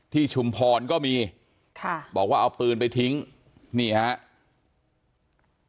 ชุมพรก็มีค่ะบอกว่าเอาปืนไปทิ้งนี่ครับ